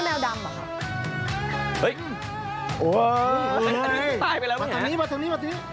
อันนี้ตายไปแล้วไง